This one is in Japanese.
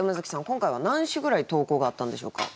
今回は何首ぐらい投稿があったんでしょうか？